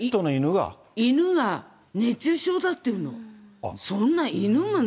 犬が熱中症だっていうの。